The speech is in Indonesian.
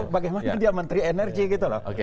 bagaimana dia menteri energi gitu loh